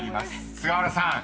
［菅原さん